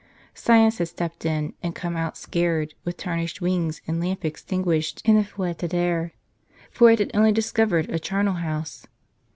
Science had stepped in, and come out scared, with tarnished wings and lamp extinguished in the fetid air; for it had only discovered a charnel house.